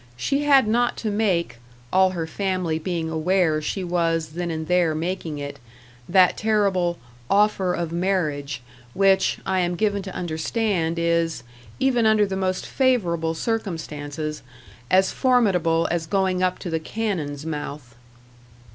She had not to make all her family being aware she was then and there making it that terrible "offer of marriage," which, I am given to understand, is, even under the most favourable circumstances, as formidable as going up to the cannon's mouth.